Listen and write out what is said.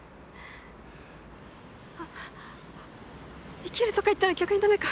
あ生きるとか言ったら逆にダメか。